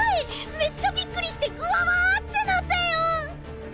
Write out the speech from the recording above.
めっちゃビックリしてグワワーってなったよ！